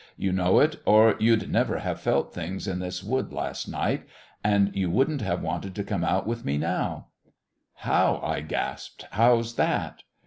"You know it, or you'd never have felt things in this wood last night; and you wouldn't have wanted to come out with me now!" "How?" I gasped. "How's that?"